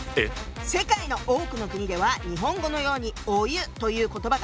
世界の多くの国では日本語のようにお湯という言葉がありません。